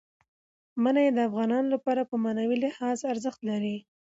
منی د افغانانو لپاره په معنوي لحاظ ارزښت لري.